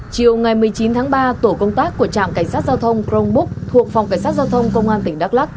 chiều ngày một mươi chín tháng ba tổ công tác của trạm cảnh sát giao thông crong búc thuộc phòng cảnh sát giao thông công an tỉnh đắk lắc